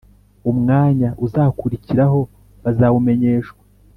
Umwanya uzakurikiraho bazawumenyeshwa